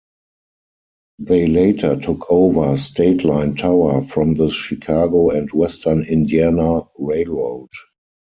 They later took over State Line tower from the Chicago and Western Indiana Railroad.